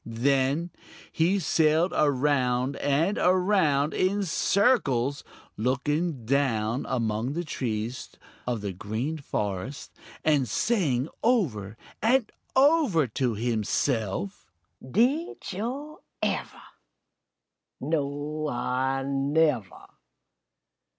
Then he sailed around and around in circles, looking down among the trees of the Green Forest and saying over and over to himself: "Did yo' ever? No, Ah never!